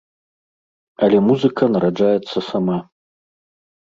Але музыка нараджаецца сама.